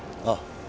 ああ。